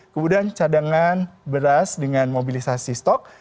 kemudian cadangan beras dengan mobilisasi stok